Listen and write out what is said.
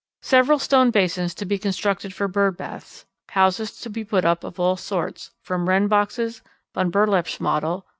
"Several stone basins to be constructed for birdbaths, houses to be put up of all sorts, from Wren boxes, Von Berlepsch model.